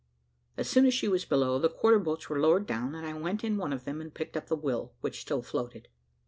As soon as she was below, the quarter boats were lowered down, and I went in one of them and picked up the will, which still floated.